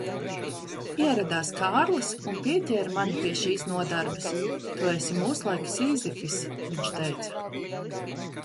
Ieradās Kārlis un pieķēra mani pie šīs nodarbes. "Tu esi mūslaiku Sīzifis", viņš teica.